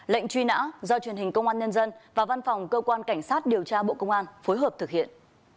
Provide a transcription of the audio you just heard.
lệnh truy nã do truyền hình công an nhân dân và văn phòng cơ quan cảnh sát điều tra bộ công an phối hợp thực hiện